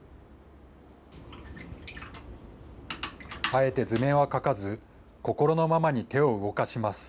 あえて図面は書かず、心のままに手を動かします。